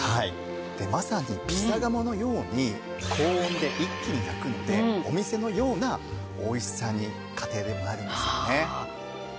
でまさにピザ窯のように高温で一気に焼くのでお店のようなおいしさに家庭でもなるんですよね。